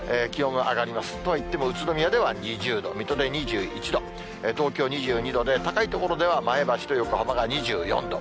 とはいっても、宇都宮では２０度、水戸で２１度、東京２２度で、高い所では前橋と横浜が２４度。